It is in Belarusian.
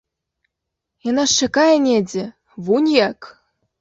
Яна ж чакае недзе, вунь як!